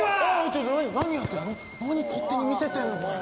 何勝手に見せてんのこれ。